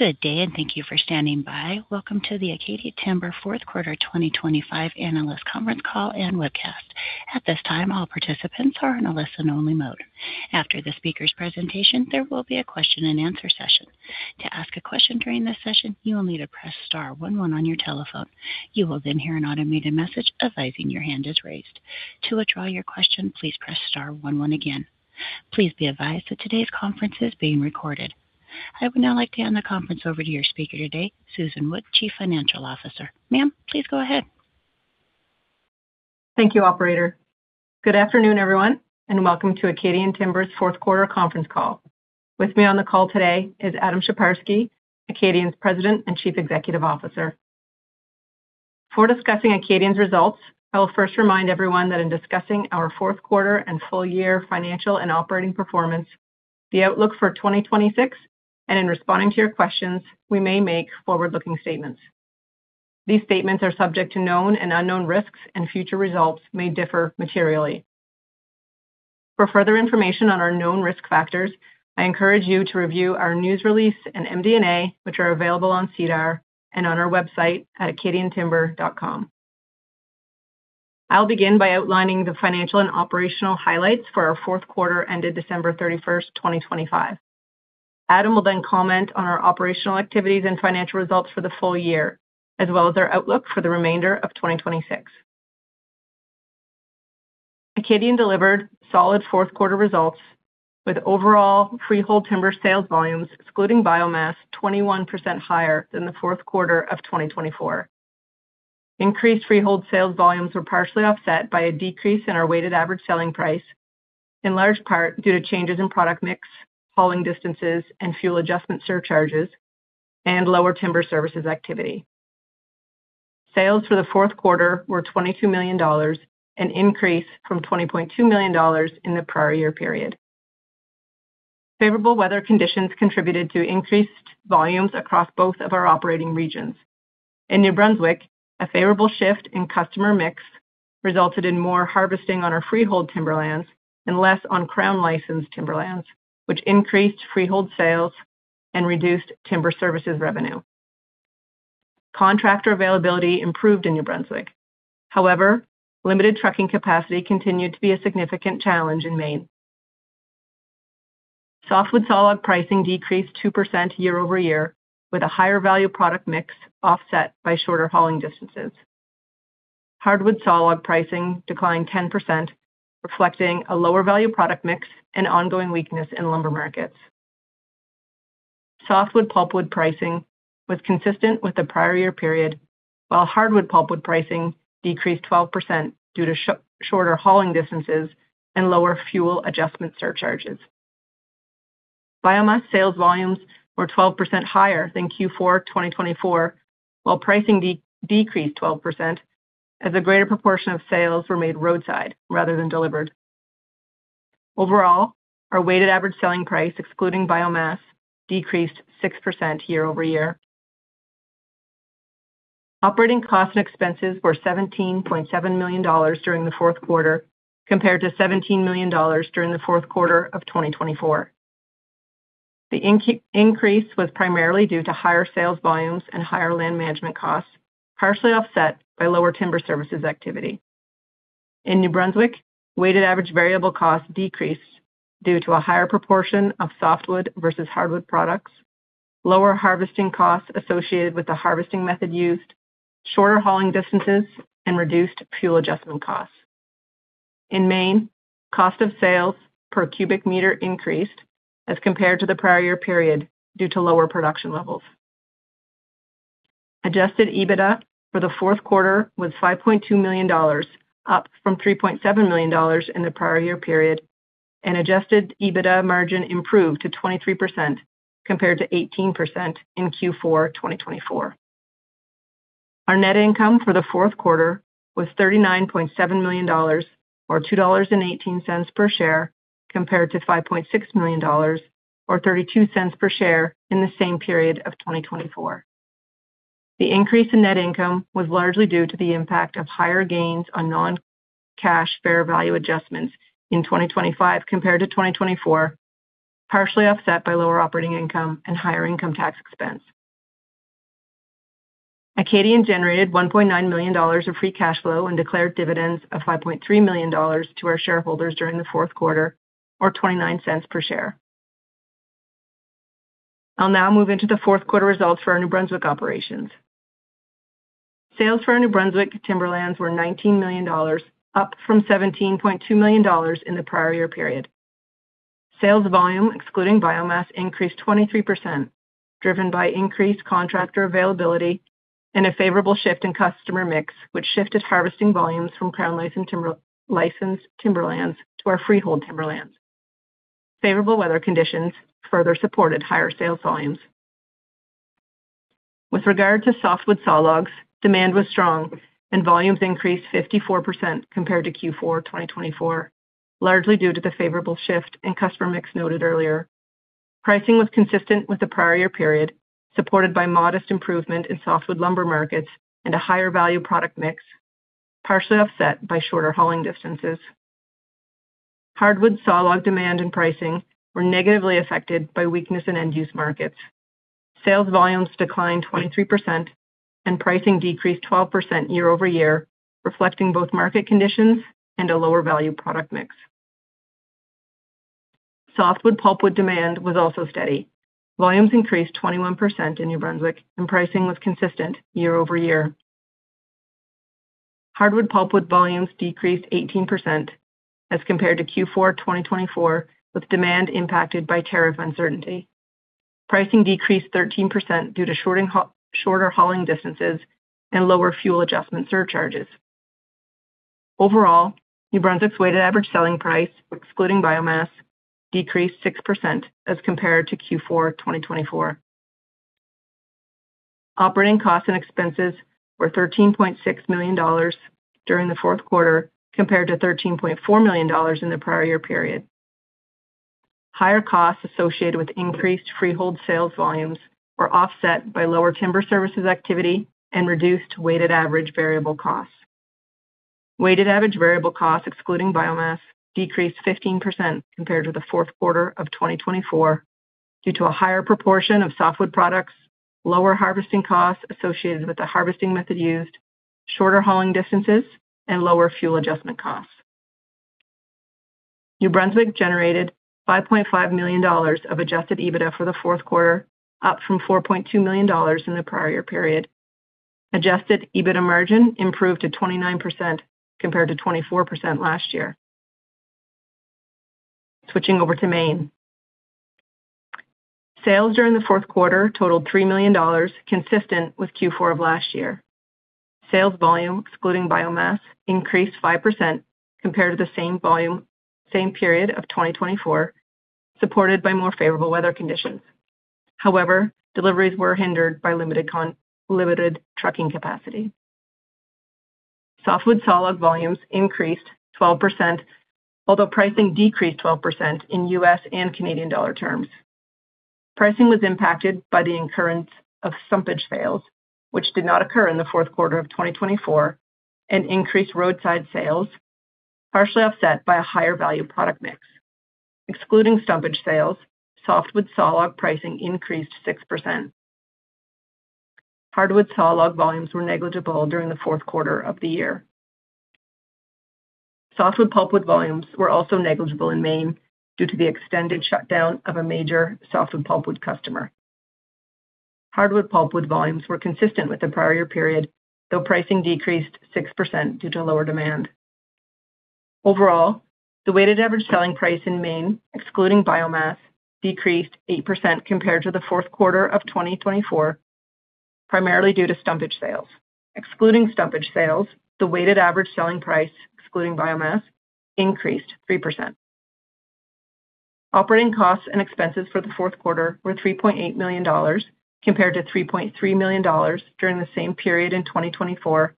Good day, and thank you for standing by. Welcome to the Acadian Timber fourth quarter 2025 analyst conference call and webcast. At this time, all participants are in a listen-only mode. After the speaker's presentation, there will be a question-and-answer session. To ask a question during this session, you will need to press star one one on your telephone. You will then hear an automated message advising your hand is raised. To withdraw your question, please press star one one again. Please be advised that today's conference is being recorded. I would now like to hand the conference over to your speaker today, Susan Wood, Chief Financial Officer. Ma'am, please go ahead. Thank you, operator. Good afternoon, everyone, and welcome to Acadian Timber's fourth quarter conference call. With me on the call today is Adam Sheparski, Acadian's President and Chief Executive Officer. Before discussing Acadian's results, I will first remind everyone that in discussing our fourth quarter and full year financial and operating performance, the outlook for 2026, and in responding to your questions, we may make forward-looking statements. These statements are subject to known and unknown risks, and future results may differ materially. For further information on our known risk factors, I encourage you to review our news release and MD&A, which are available on SEDAR and on our website at acadiantimber.com. I'll begin by outlining the financial and operational highlights for our fourth quarter ended December 31st, 2025. Adam will then comment on our operational activities and financial results for the full year, as well as our outlook for the remainder of 2026. Acadian delivered solid fourth quarter results, with overall freehold timber sales volumes, excluding biomass, 21% higher than the fourth quarter of 2024. Increased freehold sales volumes were partially offset by a decrease in our weighted average selling price, in large part due to changes in product mix, hauling distances, and fuel adjustment surcharges and lower timber services activity. Sales for the fourth quarter were 22 million dollars, an increase from 20.2 million dollars in the prior year period. Favorable weather conditions contributed to increased volumes across both of our operating regions. In New Brunswick, a favorable shift in customer mix resulted in more harvesting on our freehold timberlands and less on Crown licensed timberlands, which increased freehold sales and reduced timber services revenue. Contractor availability improved in New Brunswick. However, limited trucking capacity continued to be a significant challenge in Maine. Softwood sawlog pricing decreased 2% year-over-year, with a higher value product mix offset by shorter hauling distances. Hardwood sawlog pricing declined 10%, reflecting a lower value product mix and ongoing weakness in lumber markets. Softwood pulpwood pricing was consistent with the prior year period, while hardwood pulpwood pricing decreased 12% due to shorter hauling distances and lower fuel adjustment surcharges. Biomass sales volumes were 12% higher than Q4 2024, while pricing decreased 12% as a greater proportion of sales were made roadside rather than delivered. Overall, our weighted average selling price, excluding biomass, decreased 6% year-over-year. Operating costs and expenses were $17.7 million during the fourth quarter, compared to $17 million during the fourth quarter of 2024. The increase was primarily due to higher sales volumes and higher land management costs, partially offset by lower timber services activity. In New Brunswick, weighted average variable costs decreased due to a higher proportion of softwood versus hardwood products, lower harvesting costs associated with the harvesting method used, shorter hauling distances, and reduced fuel adjustment costs. In Maine, cost of sales per cubic meter increased as compared to the prior year period due to lower production levels. Adjusted EBITDA for the fourth quarter was 5.2 million dollars, up from 3.7 million dollars in the prior year period, and adjusted EBITDA margin improved to 23%, compared to 18% in Q4 2024. Our net income for the fourth quarter was 39.7 million dollars, or 2.18 dollars per share, compared to 5.6 million dollars, or 0.32 per share in the same period of 2024. The increase in net income was largely due to the impact of higher gains on non-cash fair value adjustments in 2025 compared to 2024, partially offset by lower operating income and higher income tax expense. Acadian generated 1.9 million dollars of free cash flow and declared dividends of 5.3 million dollars to our shareholders during the fourth quarter, or 0.29 per share. I'll now move into the fourth quarter results for our New Brunswick operations. Sales for our New Brunswick timberlands were 19 million dollars, up from 17.2 million dollars in the prior year period. Sales volume, excluding biomass, increased 23%, driven by increased contractor availability and a favorable shift in customer mix, which shifted harvesting volumes from Crown licensed timberlands to our freehold timberlands. Favorable weather conditions further supported higher sales volumes. With regard to softwood sawlogs, demand was strong and volumes increased 54% compared to Q4 2024, largely due to the favorable shift in customer mix noted earlier. Pricing was consistent with the prior year period, supported by modest improvement in softwood lumber markets and a higher value product mix, partially offset by shorter hauling distances. Hardwood sawlogs demand and pricing were negatively affected by weakness in end-use markets. Sales volumes declined 23% and pricing decreased 12% year-over-year, reflecting both market conditions and a lower-value product mix. Softwood pulpwood demand was also steady. Volumes increased 21% in New Brunswick, and pricing was consistent year-over-year. Hardwood pulpwood volumes decreased 18% as compared to Q4 2024, with demand impacted by tariff uncertainty. Pricing decreased 13% due to shorter hauling distances and lower fuel adjustment surcharges. Overall, New Brunswick's weighted average selling price, excluding biomass, decreased 6% as compared to Q4 2024. Operating costs and expenses were 13.6 million dollars during the fourth quarter, compared to 13.4 million dollars in the prior year period. Higher costs associated with increased freehold sales volumes were offset by lower timber services activity and reduced weighted average variable costs. Weighted average variable costs, excluding biomass, decreased 15% compared to the fourth quarter of 2024, due to a higher proportion of softwood products, lower harvesting costs associated with the harvesting method used, shorter hauling distances, and lower fuel adjustment costs. New Brunswick generated 5.5 million dollars of adjusted EBITDA for the fourth quarter, up from 4.2 million dollars in the prior period. Adjusted EBITDA margin improved to 29%, compared to 24% last year. Switching over to Maine. Sales during the fourth quarter totaled $3 million, consistent with Q4 of last year. Sales volume, excluding biomass, increased 5% compared to the same period of 2024, supported by more favorable weather conditions. However, deliveries were hindered by limited trucking capacity. Softwood sawlog volumes increased 12%, although pricing decreased 12% in U.S. and Canadian dollar terms. Pricing was impacted by the incurrence of stumpage sales, which did not occur in the fourth quarter of 2024, and increased roadside sales, partially offset by a higher-value product mix. Excluding stumpage sales, softwood sawlog pricing increased 6%. Hardwood sawlog volumes were negligible during the fourth quarter of the year. Softwood pulpwood volumes were also negligible in Maine due to the extended shutdown of a major softwood pulpwood customer. Hardwood pulpwood volumes were consistent with the prior period, though pricing decreased 6% due to lower demand. Overall, the weighted average selling price in Maine, excluding biomass, decreased 8% compared to the fourth quarter of 2024, primarily due to stumpage sales. Excluding stumpage sales, the weighted average selling price, excluding biomass, increased 3%. Operating costs and expenses for the fourth quarter were $3.8 million, compared to $3.3 million during the same period in 2024,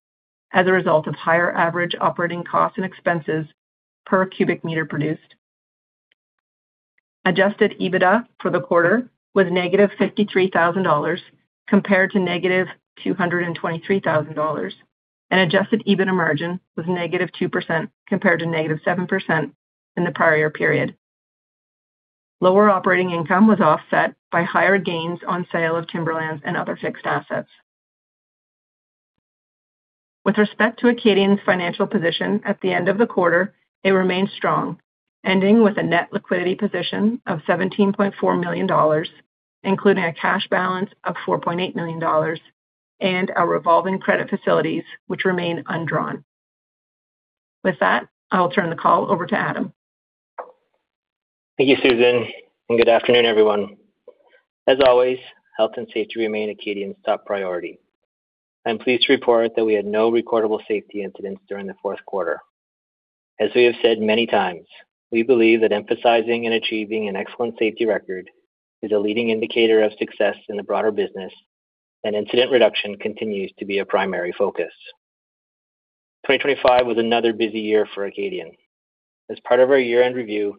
as a result of higher average operating costs and expenses per cubic meter produced. Adjusted EBITDA for the quarter was -$53,000, compared to -$223,000, and adjusted EBITDA margin was -2%, compared to -7% in the prior period. Lower operating income was offset by higher gains on sale of timberlands and other fixed assets. With respect to Acadian's financial position at the end of the quarter, it remained strong, ending with a net liquidity position of $17.4 million, including a cash balance of $4.8 million, and our revolving credit facilities, which remain undrawn. With that, I'll turn the call over to Adam. Thank you, Susan, and good afternoon, everyone. As always, health and safety remain Acadian's top priority. I'm pleased to report that we had no recordable safety incidents during the fourth quarter. As we have said many times, we believe that emphasizing and achieving an excellent safety record is a leading indicator of success in the broader business, and incident reduction continues to be a primary focus. 2025 was another busy year for Acadian. As part of our year-end review,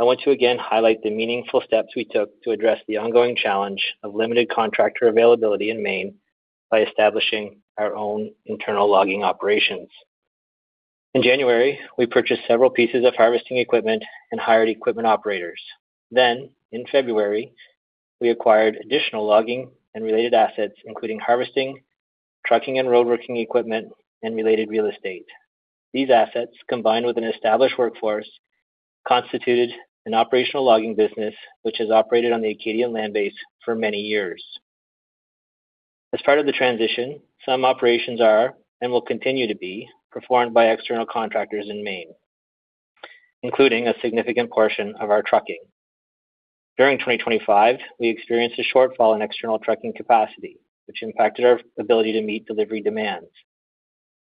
I want to again highlight the meaningful steps we took to address the ongoing challenge of limited contractor availability in Maine by establishing our own internal logging operations. In January, we purchased several pieces of harvesting equipment and hired equipment operators. Then, in February, we acquired additional logging and related assets, including harvesting, trucking, and road building equipment, and related real estate. These assets, combined with an established workforce, constituted an operational logging business, which has operated on the Acadian land base for many years. As part of the transition, some operations are, and will continue to be, performed by external contractors in Maine, including a significant portion of our trucking. During 2025, we experienced a shortfall in external trucking capacity, which impacted our ability to meet delivery demands.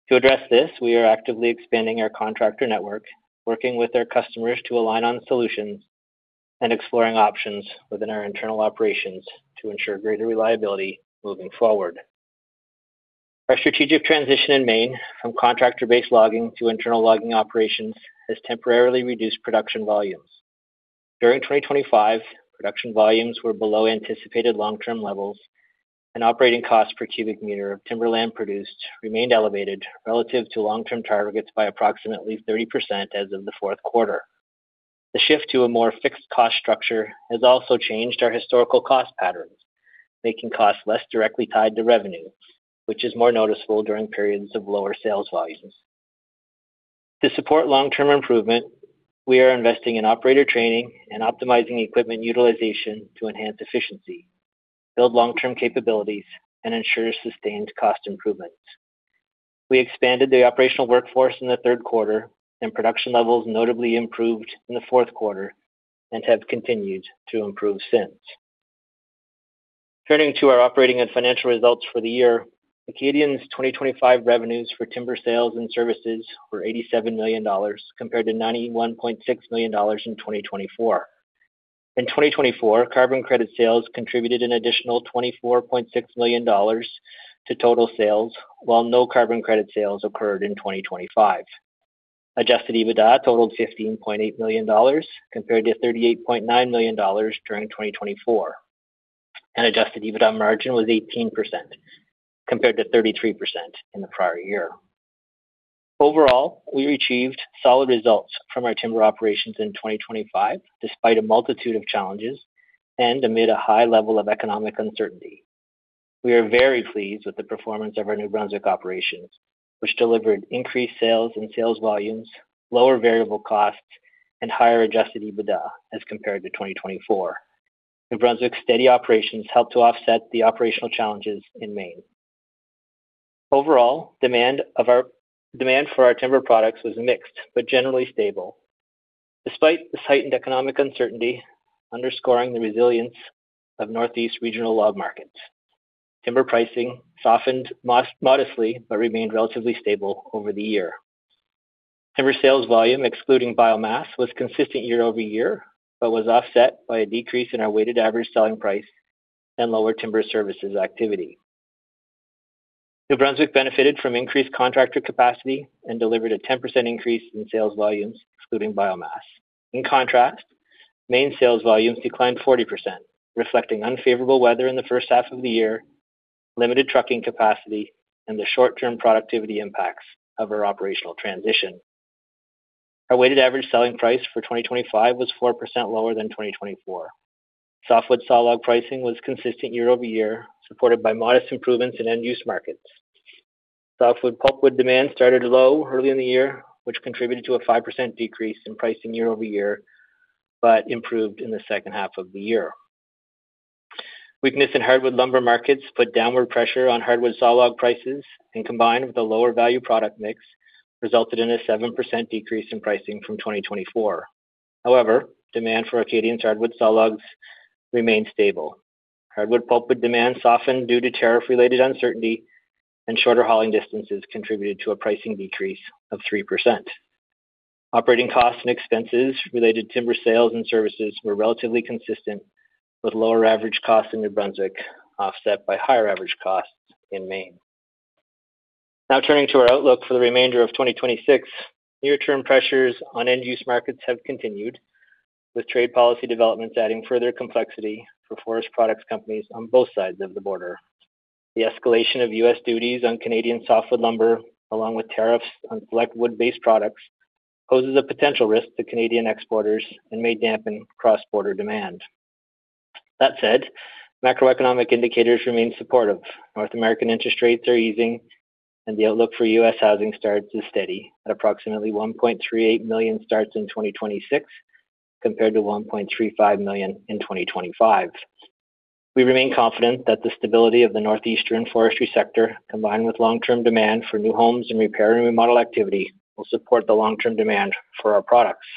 To address this, we are actively expanding our contractor network, working with our customers to align on solutions, and exploring options within our internal operations to ensure greater reliability moving forward. Our strategic transition in Maine from contractor-based logging to internal logging operations has temporarily reduced production volumes.... During 2025, production volumes were below anticipated long-term levels, and operating costs per cubic meter of timber produced remained elevated relative to long-term targets by approximately 30% as of the fourth quarter. The shift to a more fixed cost structure has also changed our historical cost patterns, making costs less directly tied to revenue, which is more noticeable during periods of lower sales volumes. To support long-term improvement, we are investing in operator training and optimizing equipment utilization to enhance efficiency, build long-term capabilities, and ensure sustained cost improvements. We expanded the operational workforce in the third quarter, and production levels notably improved in the fourth quarter and have continued to improve since. Turning to our operating and financial results for the year, Acadian's 2025 revenues for timber sales and services were $87 million, compared to $91.6 million in 2024. In 2024, carbon credit sales contributed an additional $24.6 million to total sales, while no carbon credit sales occurred in 2025. Adjusted EBITDA totaled $15.8 million, compared to $38.9 million during 2024, and adjusted EBITDA margin was 18%, compared to 33% in the prior year. Overall, we achieved solid results from our timber operations in 2025, despite a multitude of challenges and amid a high level of economic uncertainty. We are very pleased with the performance of our New Brunswick operations, which delivered increased sales and sales volumes, lower variable costs, and higher adjusted EBITDA as compared to 2024. New Brunswick's steady operations helped to offset the operational challenges in Maine. Overall, demand for our timber products was mixed but generally stable. Despite the heightened economic uncertainty, underscoring the resilience of Northeast regional log markets, timber pricing softened modestly, but remained relatively stable over the year. Timber sales volume, excluding biomass, was consistent year-over-year, but was offset by a decrease in our weighted average selling price and lower timber services activity. New Brunswick benefited from increased contractor capacity and delivered a 10% increase in sales volumes, excluding biomass. In contrast, Maine sales volumes declined 40%, reflecting unfavorable weather in the first half of the year, limited trucking capacity, and the short-term productivity impacts of our operational transition. Our weighted average selling price for 2025 was 4% lower than 2024. Softwood sawlog pricing was consistent year-over-year, supported by modest improvements in end-use markets. Softwood pulpwood demand started low early in the year, which contributed to a 5% decrease in pricing year-over-year, but improved in the second half of the year. Weakness in hardwood lumber markets put downward pressure on hardwood sawlog prices and, combined with a lower value product mix, resulted in a 7% decrease in pricing from 2024. However, demand for Acadian's hardwood sawlogs remained stable. Hardwood pulpwood demand softened due to tariff-related uncertainty, and shorter hauling distances contributed to a pricing decrease of 3%. Operating costs and expenses related to timber sales and services were relatively consistent, with lower average costs in New Brunswick offset by higher average costs in Maine. Now turning to our outlook for the remainder of 2026. Near-term pressures on end-use markets have continued, with trade policy developments adding further complexity for forest products companies on both sides of the border. The escalation of U.S. duties on Canadian softwood lumber, along with tariffs on select wood-based products, poses a potential risk to Canadian exporters and may dampen cross-border demand. That said, macroeconomic indicators remain supportive. North American interest rates are easing, and the outlook for U.S. housing starts is steady at approximately 1.38 million starts in 2026, compared to 1.35 million in 2025. We remain confident that the stability of the Northeastern forestry sector, combined with long-term demand for new homes and repair and remodel activity, will support the long-term demand for our products.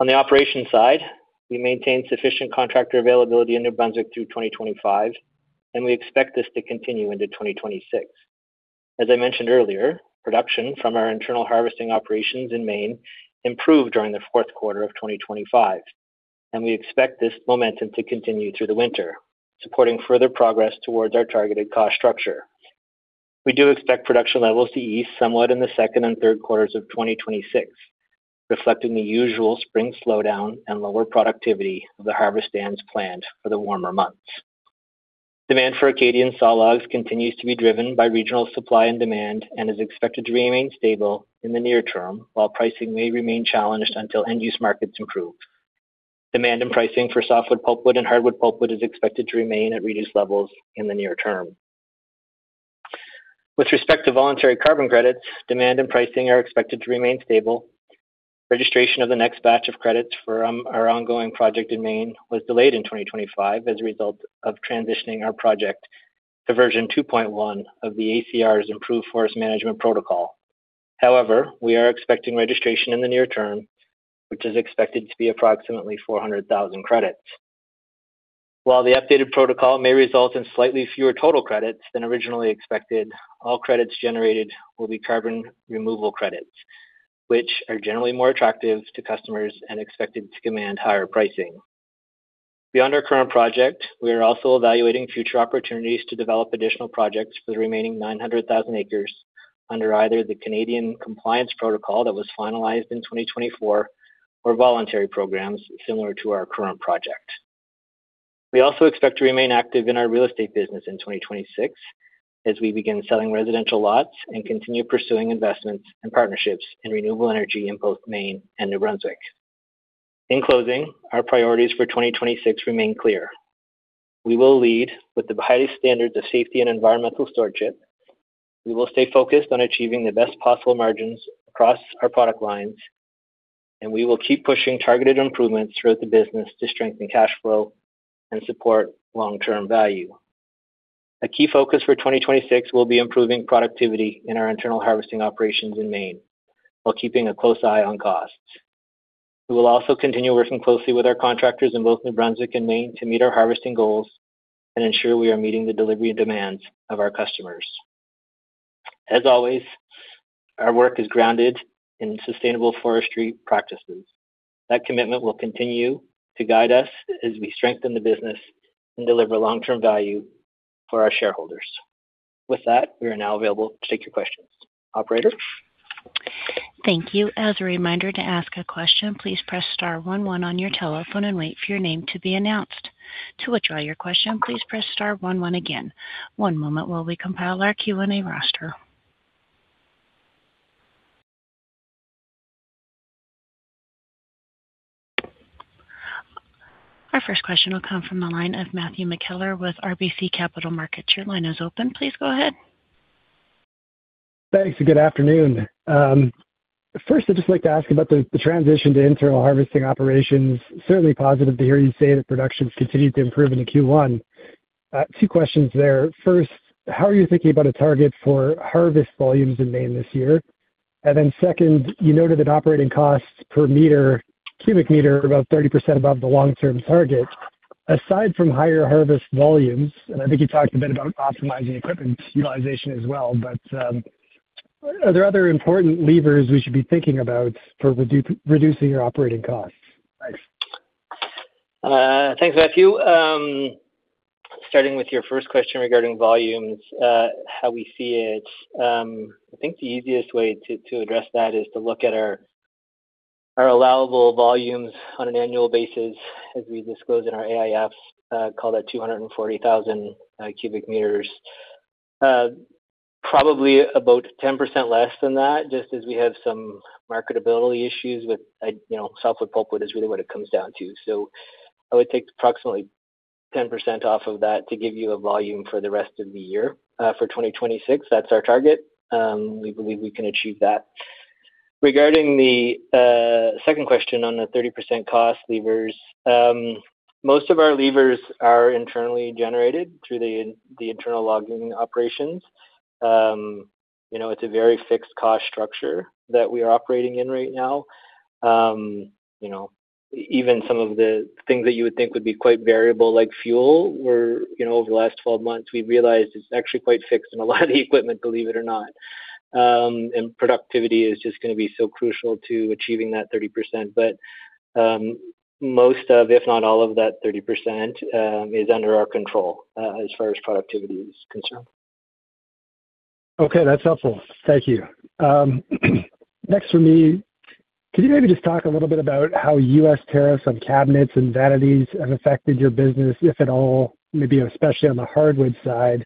On the operations side, we maintained sufficient contractor availability in New Brunswick through 2025, and we expect this to continue into 2026. As I mentioned earlier, production from our internal harvesting operations in Maine improved during the fourth quarter of 2025, and we expect this to continue through the winter, supporting further progress towards our targeted cost structure. We do expect production levels to ease somewhat in the second and third quarters of 2026, reflecting the usual spring slowdown and lower productivity of the harvest stands planned for the warmer months. Demand for Acadian sawlogs continues to be driven by regional supply and demand and is expected to remain stable in the near term, while pricing may remain challenged until end-use markets improve. Demand and pricing for softwood pulpwood and hardwood pulpwood is expected to remain at reduced levels in the near term. With respect to voluntary carbon credits, demand and pricing are expected to remain stable. Registration of the next batch of credits for our ongoing project in Maine was delayed in 2025 as a result of transitioning our project to version 2.1 of the ACR's Improved Forest Management Protocol. However, we are expecting registration in the near term, which is expected to be approximately 400,000 credits. While the updated protocol may result in slightly fewer total credits than originally expected, all credits generated will be carbon removal credits, which are generally more attractive to customers and expected to command higher pricing. Beyond our current project, we are also evaluating future opportunities to develop additional projects for the remaining 900,000 acres under either the Canadian compliance protocol that was finalized in 2024, or voluntary programs similar to our current project. We also expect to remain active in our real estate business in 2026, as we begin selling residential lots and continue pursuing investments and partnerships in renewable energy in both Maine and New Brunswick. In closing, our priorities for 2026 remain clear: We will lead with the highest standards of safety and environmental stewardship. We will stay focused on achieving the best possible margins across our product lines, and we will keep pushing targeted improvements throughout the business to strengthen cash flow and support long-term value. A key focus for 2026 will be improving productivity in our internal harvesting operations in Maine, while keeping a close eye on costs. We will also continue working closely with our contractors in both New Brunswick and Maine to meet our harvesting goals and ensure we are meeting the delivery demands of our customers. As always, our work is grounded in sustainable forestry practices. That commitment will continue to guide us as we strengthen the business and deliver long-term value for our shareholders. With that, we are now available to take your questions. Operator? Thank you. As a reminder, to ask a question, please press star one one on your telephone and wait for your name to be announced. To withdraw your question, please press star one one again. One moment while we compile our Q&A roster. Our first question will come from the line of Matthew McKellar with RBC Capital Markets. Your line is open. Please go ahead. Thanks, and good afternoon. First, I'd just like to ask about the transition to internal harvesting operations. Certainly positive to hear you say that production's continued to improve into Q1. Two questions there. First, how are you thinking about a target for harvest volumes in Maine this year? And then second, you noted that operating costs per cubic meter are about 30% above the long-term target. Aside from higher harvest volumes, and I think you talked a bit about optimizing equipment utilization as well, but are there other important levers we should be thinking about for reducing your operating costs? Thanks. Thanks, Matthew. Starting with your first question regarding volumes, how we see it, I think the easiest way to address that is to look at our allowable volumes on an annual basis, as we disclose in our AIF, call that 240,000 cubic meters. Probably about 10% less than that, just as we have some marketability issues with, you know, softwood pulpwood is really what it comes down to. So I would take approximately 10% off of that to give you a volume for the rest of the year, for 2026. That's our target. We believe we can achieve that. Regarding the second question on the 30% cost levers, most of our levers are internally generated through the internal logging operations. You know, it's a very fixed cost structure that we are operating in right now. You know, even some of the things that you would think would be quite variable, like fuel, were, you know, over the last 12 months, we've realized it's actually quite fixed in a lot of the equipment, believe it or not. And productivity is just gonna be so crucial to achieving that 30%. But, most of, if not all of that 30%, is under our control, as far as productivity is concerned. Okay, that's helpful. Thank you. Next for me, could you maybe just talk a little bit about how U.S. tariffs on cabinets and vanities have affected your business, if at all, maybe especially on the hardwood side?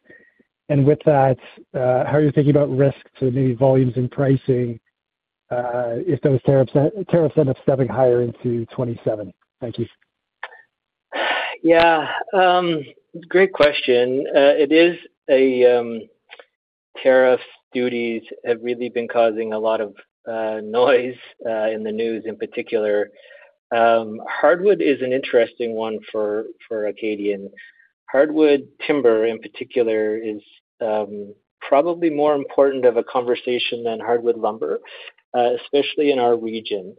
And with that, how are you thinking about risk to maybe volumes and pricing, if those tariffs end up stepping higher into 2027? Thank you. Yeah. Great question. Tariff duties have really been causing a lot of noise in the news in particular. Hardwood is an interesting one for Acadian. Hardwood timber, in particular, is probably more important of a conversation than hardwood lumber, especially in our region.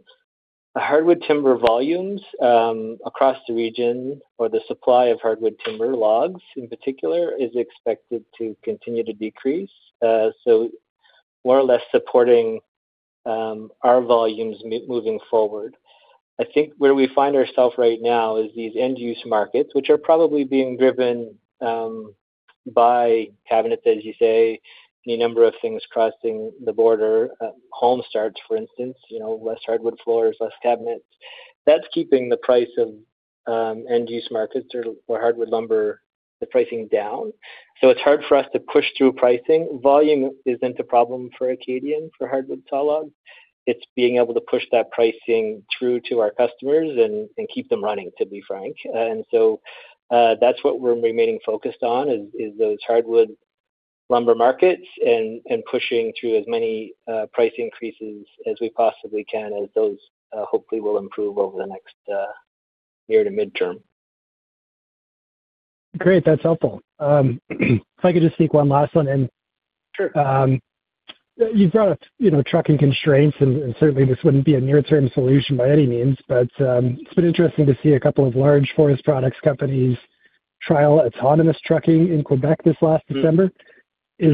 Hardwood timber volumes across the region, or the supply of hardwood timber, logs in particular, is expected to continue to decrease. So more or less supporting our volumes moving forward. I think where we find ourselves right now is these end-use markets, which are probably being driven by cabinets, as you say, the number of things crossing the border, home starts, for instance, you know, less hardwood floors, less cabinets. That's keeping the price of end-use markets or hardwood lumber, the pricing down. So it's hard for us to push through pricing. Volume isn't the problem for Acadian, for hardwood sawlog. It's being able to push that pricing through to our customers and keep them running, to be frank. And so that's what we're remaining focused on is those hardwood lumber markets and pushing through as many price increases as we possibly can, as those hopefully will improve over the next near to midterm. Great. That's helpful. If I could just sneak one last one in. Sure. You brought up, you know, trucking constraints, and certainly this wouldn't be a near-term solution by any means, but it's been interesting to see a couple of large forest products companies trial autonomous trucking in Quebec this last December. Mm-hmm.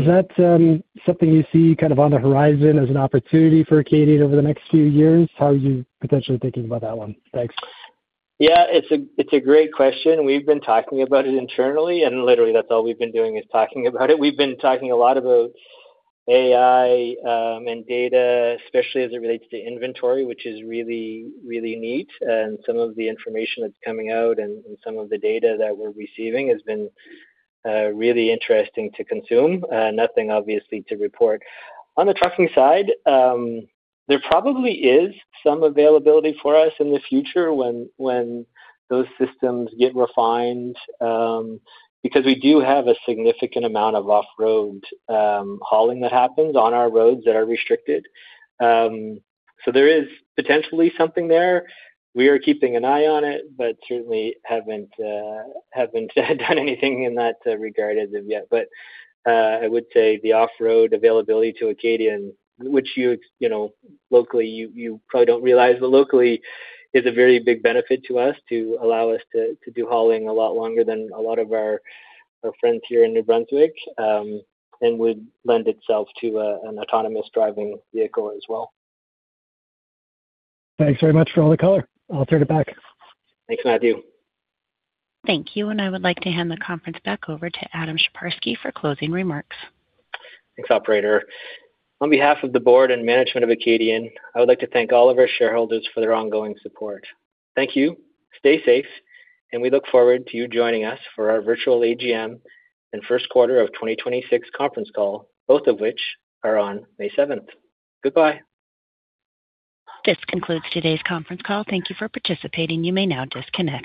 Is that, something you see kind of on the horizon as an opportunity for Acadian over the next few years? How are you potentially thinking about that one? Thanks. Yeah, it's a great question. We've been talking about it internally, and literally that's all we've been doing is talking about it. We've been talking a lot about AI and data, especially as it relates to inventory, which is really, really neat. And some of the information that's coming out and some of the data that we're receiving has been really interesting to consume. Nothing obviously to report. On the trucking side, there probably is some availability for us in the future when those systems get refined, because we do have a significant amount of off-road hauling that happens on our roads that are restricted. So there is potentially something there. We are keeping an eye on it, but certainly haven't done anything in that regard as of yet. But, I would say the off-road availability to Acadian, which you know, locally, you probably don't realize, but locally is a very big benefit to us to allow us to do hauling a lot longer than a lot of our friends here in New Brunswick, and would lend itself to an autonomous driving vehicle as well. Thanks very much for all the color. I'll turn it back. Thanks, Matthew. Thank you, and I would like to hand the conference back over to Adam Sheparski for closing remarks. Thanks, operator. On behalf of the board and management of Acadian, I would like to thank all of our shareholders for their ongoing support. Thank you, stay safe, and we look forward to you joining us for our virtual AGM and first quarter of 2026 conference call, both of which are on May seventh. Goodbye. This concludes today's conference call. Thank you for participating. You may now disconnect.